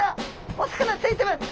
お魚ついてます！